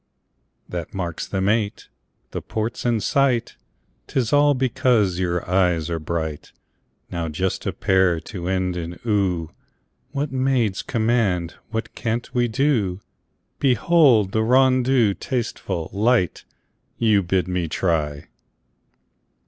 That makes them eight. The port's in sight 'Tis all because your eyes are bright! Now just a pair to end in "oo" When maids command, what can't we do? Behold! the rondeau, tasteful, light, You bid me try!